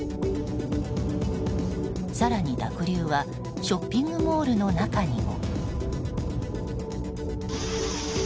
更に、濁流はショッピングモールの中にも。